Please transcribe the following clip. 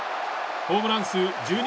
ホームラン数１２